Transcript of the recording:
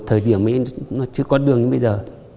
thời điểm ấy nó chưa có đường đến bây giờ